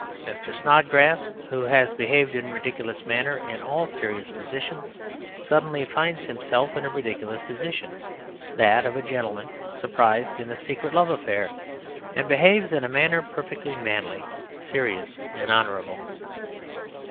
Mr. Snodgrass, who has behaved in a ridiculous manner in all serious positions, suddenly finds himself in a ridiculous position that of a gentleman surprised in a secret love affair and behaves in a manner perfectly manly, serious, and honourable.